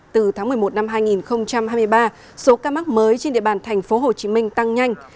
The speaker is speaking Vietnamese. từ tháng một mươi một năm hai nghìn hai mươi ba số ca mắc mới trên địa bàn thành phố hồ chí minh tăng nhanh